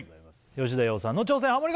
吉田羊さんの挑戦ハモリ